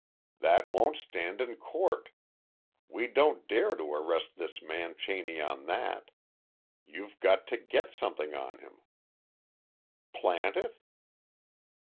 "That won't stand in court! We don't dare to arrest this man Cheney on that. You've got to get something on him." "Plant it?"